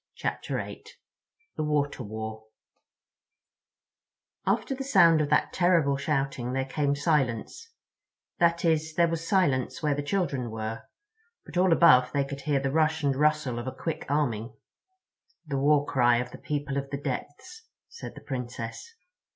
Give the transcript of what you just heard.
CHAPTER EIGHT The Water War AFTER THE SOUND of that terrible shouting there came silence—that is, there was silence where the children were, but all above they could hear the rush and rustle of a quick arming. "The war cry of the People of the Depths," said the Princess.